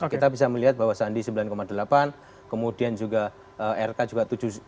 kita bisa melihat bahwa sandi sembilan delapan kemudian juga rk juga tujuh sebelas